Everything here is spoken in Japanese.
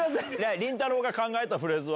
りんたろー。が考えたフレーズは？